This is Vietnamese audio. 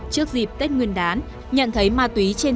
trước dịp tết nguyên đán nhận thấy ma túy trên